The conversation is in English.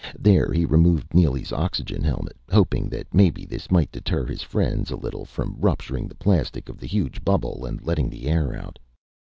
There he removed Neely's oxygen helmet, hoping that, maybe, this might deter his friends a little from rupturing the plastic of the huge bubble and letting the air out.